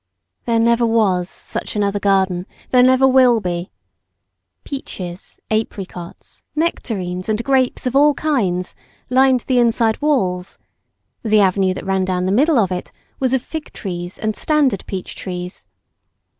There never was such another garden, there never will be! Peaches, apricots, nectarines, and grapes of all kinds, lined the inside walls; the avenue that ran down the middle of it was of fig trees and standard peach trees.